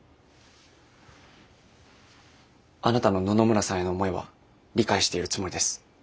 あなたの野々村さんへの思いは理解しているつもりです。